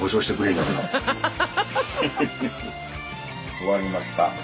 終わりました。